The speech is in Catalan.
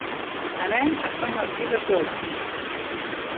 Anem a Sant Martí de Tous.